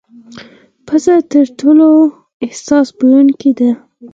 پزه تر ټولو حساس بویونکې ده.